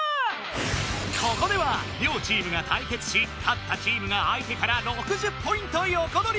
ここではりょうチームが対決し勝ったチームが相手から６０ポイントよこどり！